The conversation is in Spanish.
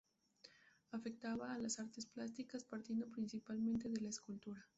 Afectaba a las artes plásticas, partiendo principalmente de la escultura.